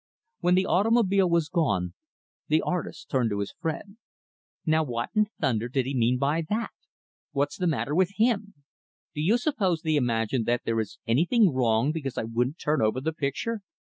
When the automobile was gone, the artist turned to his friend. "Now what in thunder did he mean by that? What's the matter with him? Do you suppose they imagine that there is anything wrong because I wouldn't turn over the picture?"